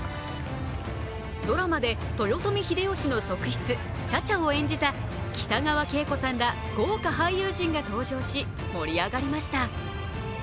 ドラマで豊臣秀吉の側室・茶々を演じた北川景子さんら豪華俳優陣が登場し盛り上がりました。